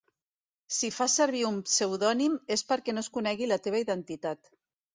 Si fas servir un pseudònim és perquè no es conegui la teva identitat.